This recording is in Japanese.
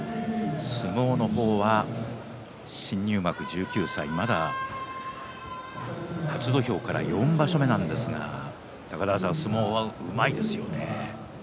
相撲は、新入幕１９歳まだ初土俵から４場所目ですが高田川さん、相撲うまいですよね。